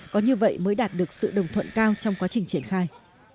có như vậy mới đạt được sự đồng thuận cao trong quá trình triển khai